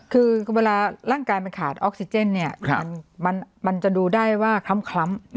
คือเวลาร่างกายมันขาดออกซิเจนเนี่ยมันจะดูได้ว่าคล้ำ